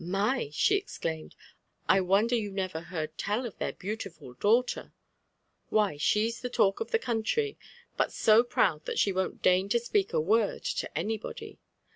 ^ My 1' she exclaimed, ' I wonder you never lieard tell of their beautiful daughter ! «why, she's the talk of the eouniry, but so proud that she won't deign to speak a word ta anybody.